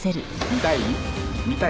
見たい？